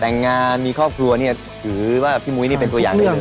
แต่งงานมีครอบครัวถือว่าพี่มุ้ยเป็นตัวอย่างด้วย